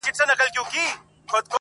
یوه ورځ به زه هم تا دلته راوړمه-